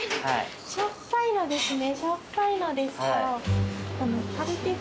しょっぱいのですね。